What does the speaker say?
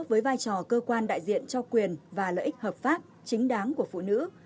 với vai trò cơ quan đại diện cho quyền và lợi ích hợp pháp chính đáng của phụ nữ